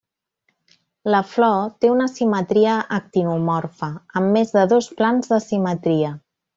La flor té una simetria actinomorfa, amb més de dos plans de simetria.